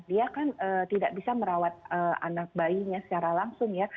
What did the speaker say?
dia kan tidak bisa merawat anak bayinya secara langsung ya